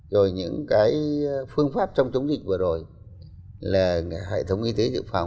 rất là tốt